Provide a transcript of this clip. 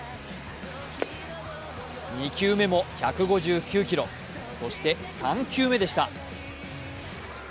２球目も１５９キロ、そして３球目でした。